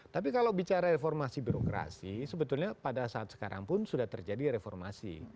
secara reformasi birokrasi sebetulnya pada saat sekarang pun sudah terjadi reformasi